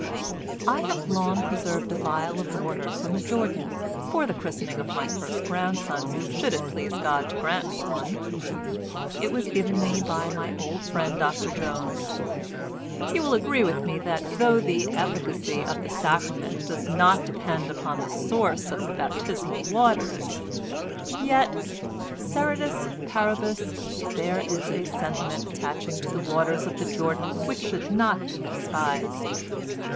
"I have long preserved a phial of water from the Jordan for the christening of my first grandson, should it please God to grant me one. It was given me by my old friend Dr Jones. You will agree with me that though the efficacy of the sacrament does not depend upon the source of the baptismal waters, yet, ceteris paribus, there is a sentiment attaching to the waters of the Jordan which should not be despised.